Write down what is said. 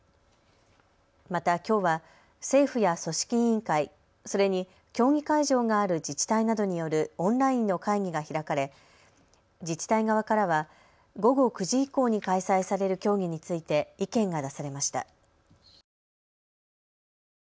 また、きょうは政府や組織委員会、それに競技会場がある自治体などによるオンラインの会議が開かれ自治体側からは午後９時以降に開催される競技について意見が出されました。